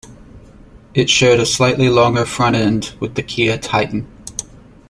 It shared a slightly longer front end with the Kia Titan.